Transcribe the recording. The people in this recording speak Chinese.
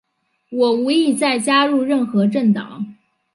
我无意再加入任何政党。